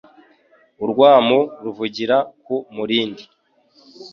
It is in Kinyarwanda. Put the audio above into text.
Urwamu ruvugira ku murindi